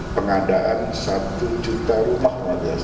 pengadaan satu juta rumah ya